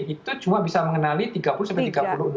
itu cuma bisa mengenali tiga puluh sampai tiga puluh enam orang